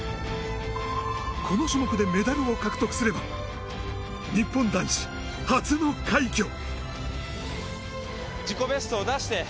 この種目でメダルを獲得すれば日本男子初の快挙！